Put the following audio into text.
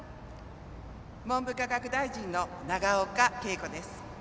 文部科学大臣の永岡桂子です。